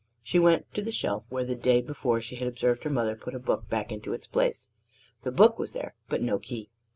She went to the shelf where the day before she had observed her mother put a book back into its place: the book was there, but no key.